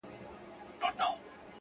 چي تا په گلابي سترگو پرهار پکي جوړ کړ ـ